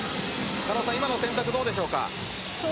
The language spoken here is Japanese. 今の選択、どうでしょうか？